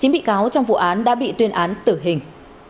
chín bị cáo trong vụ án đã bị tuyên án tử hình